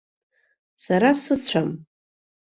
Сара сыцәам.